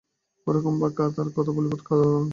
ওরকম বাঁকা তার মনের কথা বলিবার ধরন।